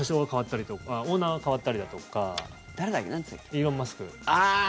イーロン・マスク。